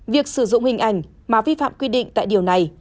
việc sử dụng hình ảnh mà vi phạm quy định tại điều này